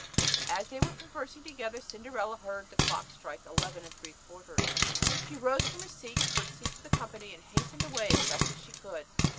As they were conversing together, Cinderella heard the clock strike eleven and three quarters. She rose from her seat, curtesied to the company, and hastened away as fast as she could.